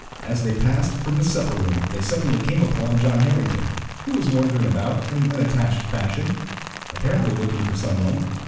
As they passed from the supper room they suddenly came upon John Harrington, who was wandering about in an unattached fashion, apparently looking for some one.